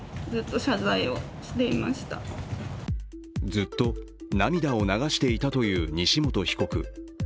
ずっと涙を流していたという西本被告。